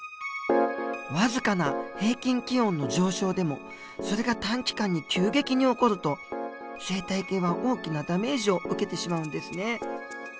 僅かな平均気温の上昇でもそれが短期間に急激に起こると生態系は大きなダメージを受けてしまうんですね。